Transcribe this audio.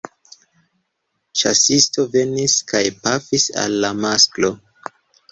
Ĉasisto venis kaj pafis al la masklo.